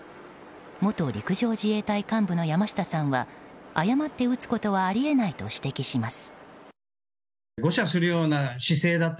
元陸上自衛隊幹部の山下さんは誤って撃つことはあり得ないと指摘します。